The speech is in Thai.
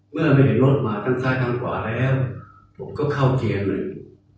เมื่อไม่เห็นรถมาทั้งซ้ายทางขวาแล้วผมก็เข้าเกียร์เลย